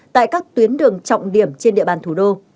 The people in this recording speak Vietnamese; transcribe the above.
tại các tuyến đường trọng điểm trên địa bàn thủ đô